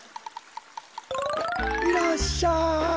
いらっしゃい。